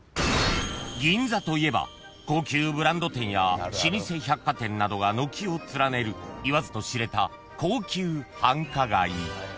［銀座といえば高級ブランド店や老舗百貨店などが軒を連ねる言わずと知れた高級繁華街］